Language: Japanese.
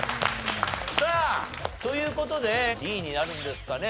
さあという事でＤになるんですかね。